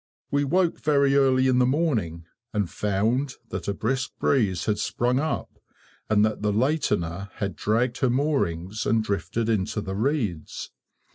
We woke very early in the morning, and found that a brisk breeze had sprung up, and that the lateener had dragged her moorings and drifted into the reeds.